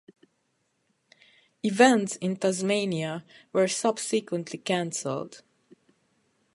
Events in Tasmania were subsequently cancelled.